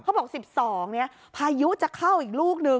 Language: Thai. เขาบอกว่า๑๒พายุจะเข้าอีกลูกหนึ่ง